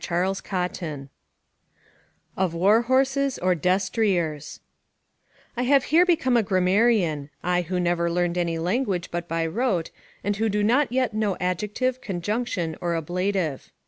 CHAPTER XLVIII OF WAR HORSES, OR DESTRIERS I here have become a grammarian, I who never learned any language but by rote, and who do not yet know adjective, conjunction, or ablative.